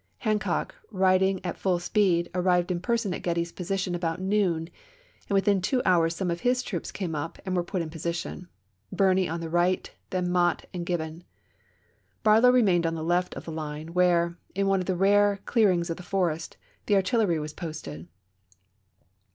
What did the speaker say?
Hancock, riding at full speed, arrived in person at Getty's position about noon, and within two hours some of his troops came up and were put in position, Birney on the right, then Mott and Gibbon. Barlow remained on the left of the line, where, in one of the rare clear ings of the forest, the artillery was posted.